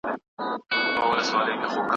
ویره مو په زړورتیا بدله کړئ.